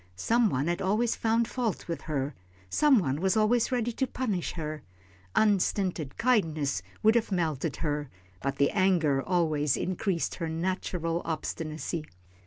Some one had always found fault with her, some one was always ready to punish her. Unstinted kindness would have melted her, but anger always increased her natural obstinacy.